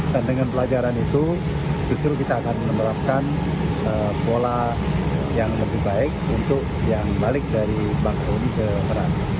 dan dengan pelajaran itu justru kita akan menerapkan pola yang lebih baik untuk yang balik dari mbakun ke merak